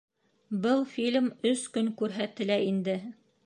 Был фильм өс көн күрһәтелә инде.